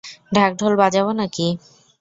ঢাকঢোল বাজাবো নাকি?